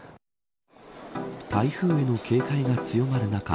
台風への警戒が強まる中